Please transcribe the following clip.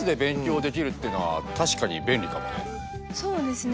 でもそうですね。